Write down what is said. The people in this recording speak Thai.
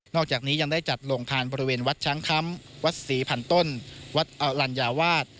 อกจากนี้ยังได้จัดโรงทานบริเวณวัดช้างคำวัดศรีพันต้นวัดอลัญญาวาส